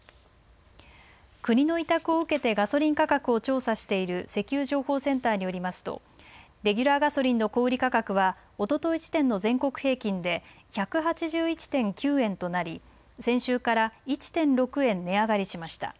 国の委託を受けてガソリン価格を調査している石油情報センターによりますと、レギュラーガソリンの小売り価格は、おととい時点の全国平均で１８１．９円となり、先週から１．６円値上がりしました。